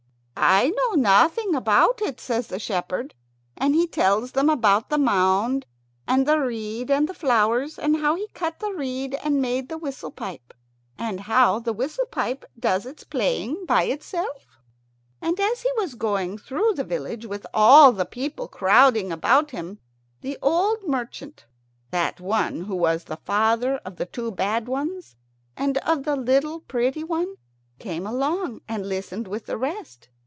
"I know nothing about it," says the shepherd, and he tells them about the mound and the reed and the flowers, and how he cut the reed and made the whistle pipe, and how the whistle pipe does its playing by itself. And as he was going through the village, with all the people crowding about him, the old merchant, that one who was the father of the two bad ones and of the little pretty one, came along and listened with the rest.